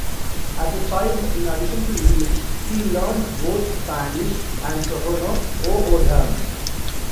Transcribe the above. As a child in addition to English he learned both Spanish and Tohono O'odham.